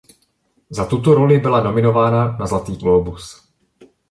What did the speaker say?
Za tuto roli byla nominována na Zlatý Globus.